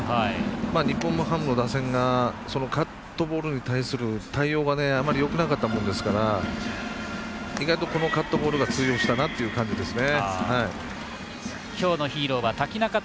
日本ハムの打線がカットボールに対する対応があんまりよくなかったもんですから意外とカットボールが通用したなという感じでした。